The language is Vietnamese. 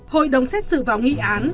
hội đồng xét xử vào nghị án